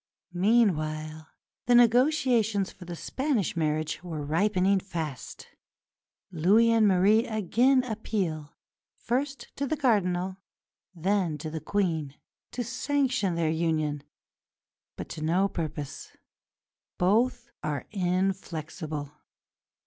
Meanwhile the negotiations for the Spanish marriage were ripening fast. Louis and Marie again appeal, first to the Cardinal, then to the Queen, to sanction their union, but to no purpose; both are inflexible.